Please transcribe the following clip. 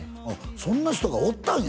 そんな人がおったんや！